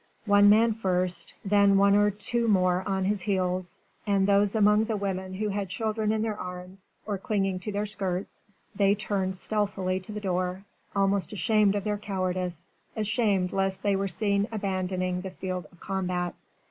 One man first: then one or two more on his heels, and those among the women who had children in their arms or clinging to their skirts: they turned stealthily to the door almost ashamed of their cowardice, ashamed lest they were seen abandoning the field of combat.